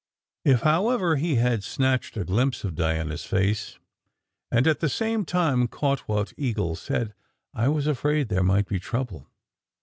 If, however, he had snatched a glimpse of Diana s face, and at the same time caught what Eagle said, I was afraid there might be trouble.